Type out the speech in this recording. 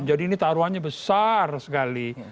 jadi ini taruhannya besar sekali